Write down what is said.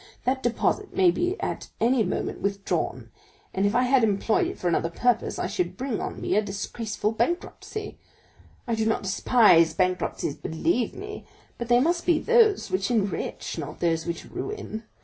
That deposit may be at any moment withdrawn, and if I had employed it for another purpose, I should bring on me a disgraceful bankruptcy. I do not despise bankruptcies, believe me, but they must be those which enrich, not those which ruin.